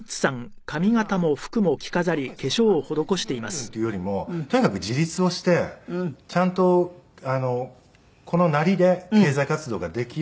でまあ特に反対するうんぬんっていうよりもとにかく自立をしてちゃんとこのなりで経済活動ができる。